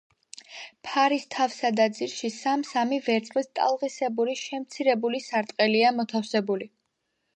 ფარის თავსა და ძირში სამ-სამი ვერცხლის ტალღისებური შემცირებული სარტყელია მოთავსებული.